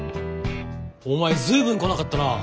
お前随分来なかったな。